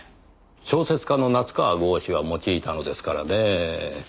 小説家の夏河郷士が用いたのですからねぇ。